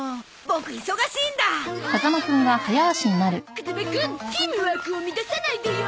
風間くんティームワークを乱さないでよ。